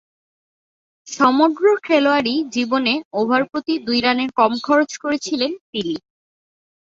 সমগ্র খেলোয়াড়ী জীবনে ওভার প্রতি দুই রানের কম খরচ করেছিলেন তিনি।